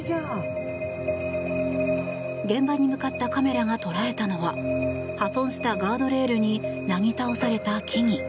現場に向かったカメラが捉えたのは破損したガードレールになぎ倒された木々。